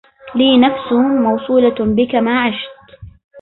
لي نفس موصولة بك ما عشت